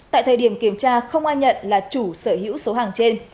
tại thời điểm kiểm tra không ai nhận là chủ sở hữu số hàng trên